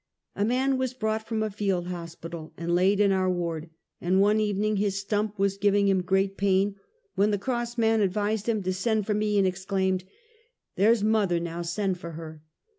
A man was brought from a field hospital, and laid in our ward, and one evening his stump was giving him great pain, when the cross man advised him to send for me, and exclaimed: "There's mother, now; send for her."